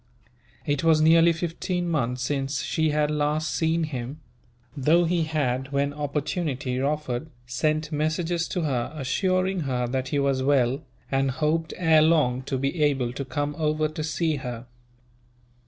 It was nearly fifteen months since she had last seen him; though he had, when opportunity offered, sent messages to her assuring her that he was well, and hoped ere long to be able to come over to see her.